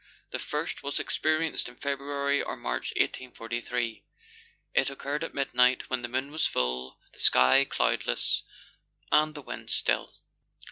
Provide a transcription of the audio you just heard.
The first was experienced in February or March 1843. It occurred at midnight, when the moon was full, the sky cloudless, and the wind still.